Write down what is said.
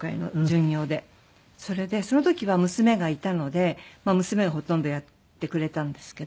それでその時は娘がいたのでまあ娘がほとんどやってくれたんですけど。